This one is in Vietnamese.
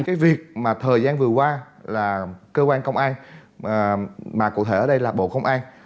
cái việc mà thời gian vừa qua là cơ quan công an mà cụ thể ở đây là bộ công an